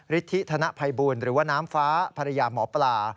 ฤทธิธนภัยบูลหรือว่าน้ำฟ้าภรรยาหมอปลา